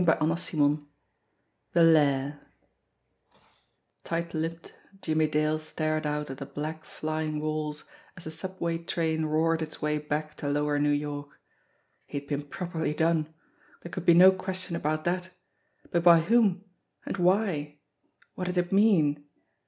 b XXVII THE LAIR TIGHT LIPPED, Jimmie Dale stared out at the black, flying walls as the subway train roared its way back to lower New York. He had been properly done! There could be no question about that. But by whom ? And why ? What did it mean